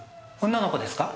女の子ですか？